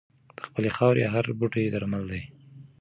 د خپلې خاورې هر بوټی درمل دی.